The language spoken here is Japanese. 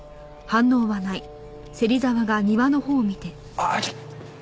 あっちょっと。